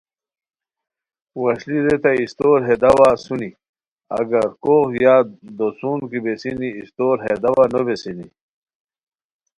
وشلی ریتائے استور بے داوا ا سونی اگر کوغ یا دوڅون کی بیسینی استور بے داوا نو بیسینی